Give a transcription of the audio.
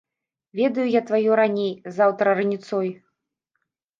Ведаю я тваё раней, заўтра раніцой.